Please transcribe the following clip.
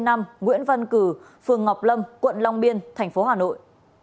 nguyễn văn cử phường ngọc lâm quận long biên thành phố hà nội